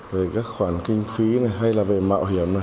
về các khoản kinh phí này hay là về mạo hiểm